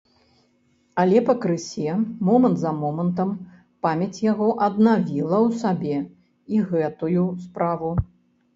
Але пакрысе, момант за момантам, памяць яго аднавіла ў сабе і гэтую справу.